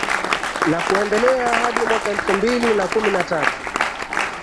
na kuendelea hadi mwaka elfu mbili na kumi na tatu